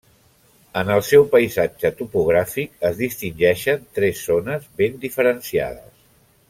En el seu paisatge topogràfic es distingeixen tres zones ben diferenciades.